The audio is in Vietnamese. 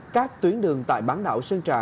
các tuyến đường tại bán đảo sân trà